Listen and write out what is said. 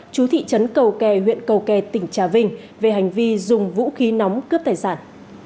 chú thị trấn cầu kè huyện cầu kè tỉnh trà vinh về hành vi dùng vũ khí nóng cướp tài sản